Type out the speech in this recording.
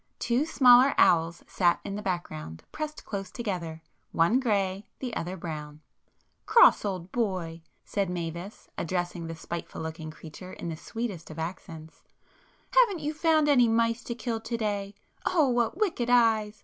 Two smaller owls sat in the background, pressed close together,—one grey, the other brown. "Cross old boy!" said Mavis, addressing the spiteful looking [p 235] creature in the sweetest of accents—"Haven't you found any mice to kill to day? Oh, what wicked eyes!